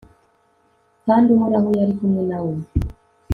kandi uhoraho yari kumwe na bo